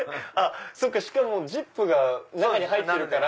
しかもジップが中に入ってるから。